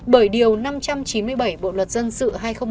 bởi điều năm trăm chín mươi bảy bộ luật dân sự hai nghìn một mươi năm